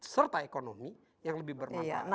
serta ekonomi yang lebih bermanfaat